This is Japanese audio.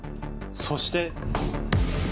そして。